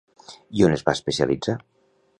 I on es va especialitzar?